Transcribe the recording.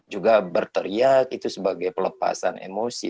juga berteriak itu sebagai pelepasan emosi